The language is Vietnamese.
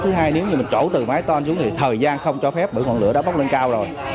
thứ hai nếu như mình trổ từ mái toan xuống thì thời gian không cho phép bởi ngọn lửa đã bốc lên cao rồi